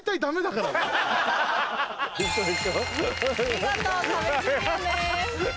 見事壁クリアです。